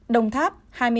đồng tháp hai mươi ba